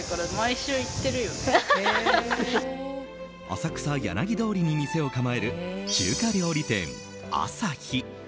浅草柳通りに店を構える中華料理店あさひ。